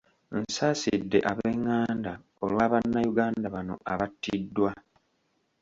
Nsaasidde ab’enganda olwa Bannayuganda bano abattiddwa.